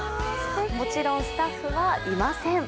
もちろんスタッフはいません。